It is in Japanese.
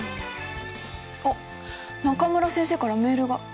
あっ中村先生からメールが。